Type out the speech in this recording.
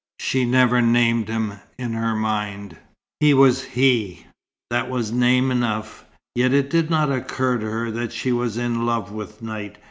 She never named him in her mind. He was "he": that was name enough. Yet it did not occur to her that she was "in love" with Knight.